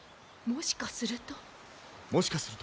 もしかすると？